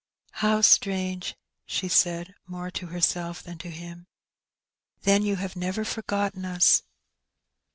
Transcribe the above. " How strange !" she said, more to herself than to him. "Then you have never forgotten us?"